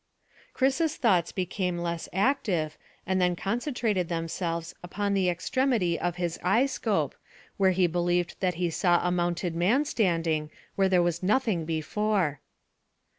Chris's thoughts became less active, and then concentrated themselves upon the extremity of his eye scope, where he believed that he saw a mounted man standing where there was nothing before.